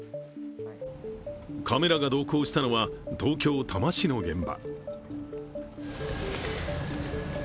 カメラが同行したのは東京・多摩市の現場。